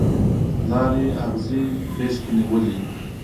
لارې اغزي غیږ کې نیولي